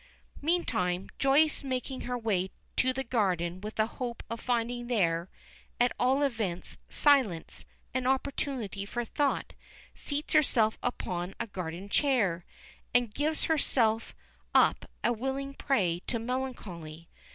Meantime, Joyce, making her way to the garden with a hope of finding there, at all events, silence, and opportunity for thought, seats herself upon a garden chair, and gives herself up a willing prey to melancholy.